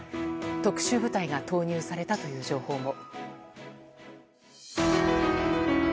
特殊部隊が投入されたという情報も。